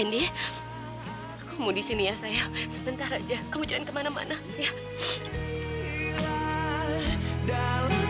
andy kamu di sini ya sayang sebentar aja kamu jalan kemana mana ya